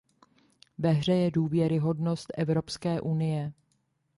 Ve hře je důvěryhodnost Evropské unie.